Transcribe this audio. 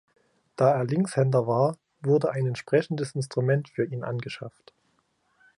Da er Linkshänder war, wurde ein entsprechendes Instrument für ihn angeschafft.